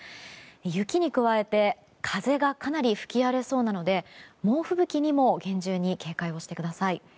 雪に加えて風がかなり吹き荒れそうなので猛吹雪にも厳重に警戒してください。